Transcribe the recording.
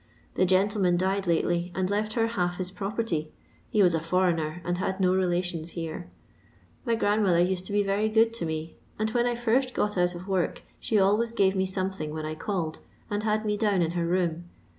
The gentleman died latdy and left her half his property. He was a foreigner and had no relations here. My grand mother used to be very good to me, and when I first got out of work she always gave me some thing when I called, and had me down in her room.